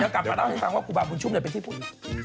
เดี๋ยวกลับกันเอาให้ทั้งว่าครูบาบุญชุมเนี่ยเป็นที่พูด